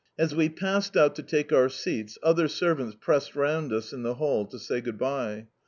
As we passed out to take our seats, other servants pressed round us in the hall to say good bye.